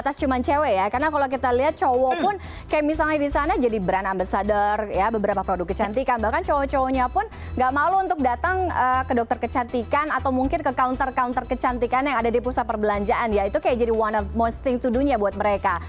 kita cuma cewek ya karena kalau kita lihat cowok pun kayak misalnya di sana jadi brand ambasador ya beberapa produk kecantikan bahkan cowok cowoknya pun gak malu untuk datang ke dokter kecantikan atau mungkin ke counter counter kecantikan yang ada di pusat perbelanjaan ya itu kayak jadi one of mosting to do nya buat mereka